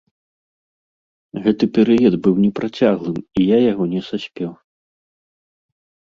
Гэты перыяд быў непрацяглым і я яго не заспеў.